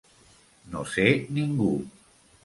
No ser ningú.